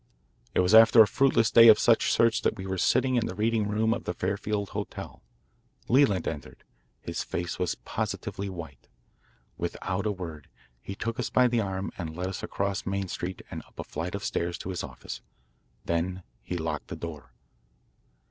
It was after a fruitless day of such search that we were sitting in the reading room of the Fairfield Hotel. Leland entered. His face was positively white. Without a word he took us by the arm and led us across Main Street and up a flight of stairs to his office. Then he locked the door.